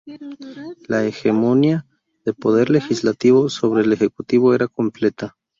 La hegemonía del Poder Legislativo sobre el Ejecutivo era completa.